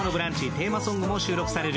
テーマソングも収録される